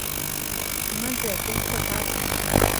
مه ځه دلته پاتې شه.